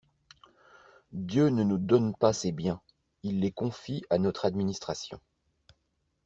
Dieu ne nous donne pas ses biens: il les confie à notre administration.